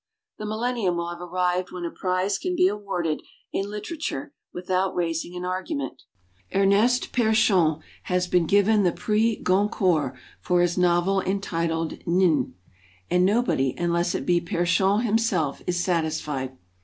The millennium will have arrived when a prize can be awarded in litera ture without raising an argument. Ernest P6rechon has been given the Prix Goncourt for his novel entitled "Nine" and nobody, unless it be ALLEGIANCE 89 P6rechon himself, is satisfied.